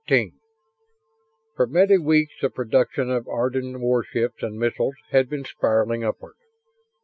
XIII For many weeks the production of Ardan warships and missiles had been spiraling upward.